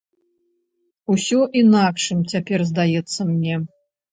Усё інакшым цяпер здаецца мне.